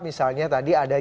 misalnya tadi ada